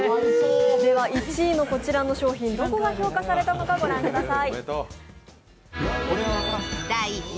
１位のこちらの商品、どこが評価されたのかご覧ください。